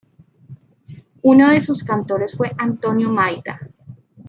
Uno de sus cantores fue Antonio Maida.